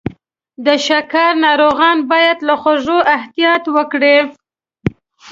د شکر ناروغان باید له خوږو احتیاط وکړي.